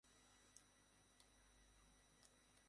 উনারা জানেন তো আমরা কী নিয়ে কথা বলতে এসেছি?